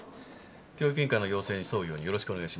教育委員会の要請に沿うようによろしくお願いします。